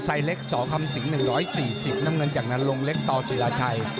เล็กสคำสิง๑๔๐น้ำเงินจากนั้นลงเล็กต่อศิราชัย